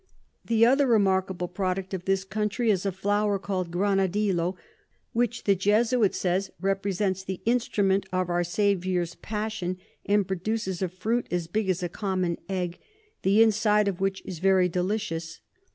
The other remarkable Product of this Country is a Flower call'd Granadillo, which the Jesuit says represents the Instrument of our Saviour's Passion, and produces a Fruit as big as a common Egg, the Inside of which is very delicious.